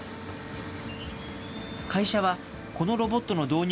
会社は、このロボットの導入